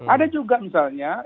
ada juga misalnya